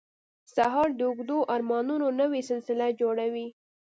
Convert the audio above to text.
سهار د اوږدو ارمانونو نوې سلسله جوړوي.